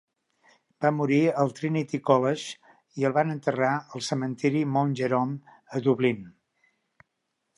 Va morir al Trinity College i el van enterrar al cementiri Mount Jerome, a Dublín.